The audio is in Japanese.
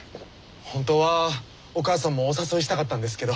本当はお母さんもお誘いしたかったんですけど。